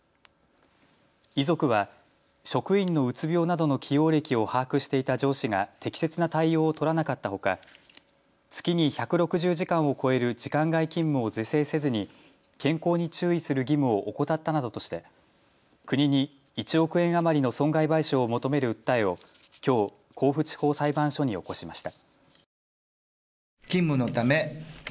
遺族は職員のうつ病などの既往歴を把握していた上司が適切な対応を取らなかったほか、月に１６０時間を超える時間外勤務を是正せずに健康に注意する義務を怠ったなどとして国に１億円余りの損害賠償を求める訴えをきょう甲府地方裁判所に起こしました。